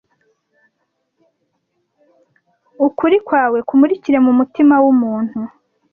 ukuri kwawe kumurikire mumutima wumuntu